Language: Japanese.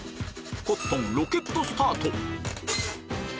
コットンロケットスタート！